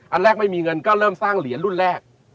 อันแรกไม่มีเงินก็เริ่มสร้างเหรียญรุ่นแรก